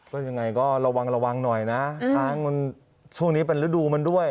ก็ยังไงก็ระวังระวังหน่อยนะช้างมันช่วงนี้เป็นฤดูมันด้วย